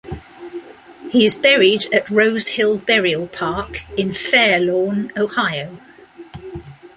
He is buried at Rose Hill Burial Park in Fairlawn, Ohio.